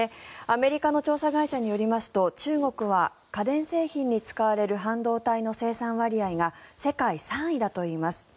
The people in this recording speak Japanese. アメリカの調査会社によりますと中国は家電製品に使われる半導体の生産割合が世界３位だといいます。